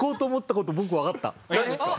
何ですか？